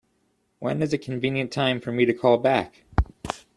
When is a convenient time for me to call back?